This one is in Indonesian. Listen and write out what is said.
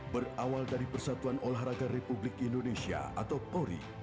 berawal dari persatuan olahraga republik indonesia atau pori